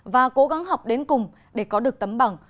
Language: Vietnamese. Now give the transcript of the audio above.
và cố gắng học đến cùng để có được tấm bằng